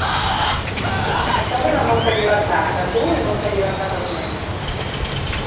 Això dóna molta llibertat a tu i molta llibertat als nens.